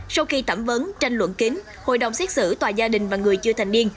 sau khi thẩm vấn tranh luận kín hội đồng xét xử tòa gia đình và người chưa thành niên